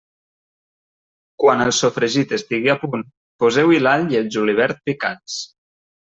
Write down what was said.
Quan el sofregit estigui a punt, poseu-hi l'all i el julivert picats.